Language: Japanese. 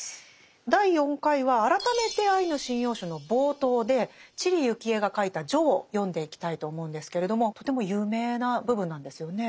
第４回は改めて「アイヌ神謡集」の冒頭で知里幸恵が書いた「序」を読んでいきたいと思うんですけれどもとても有名な部分なんですよね。